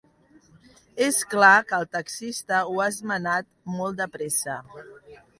És clar que el taxista ho ha esmenat molt de pressa.